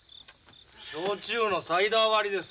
焼酎のサイダー割りです。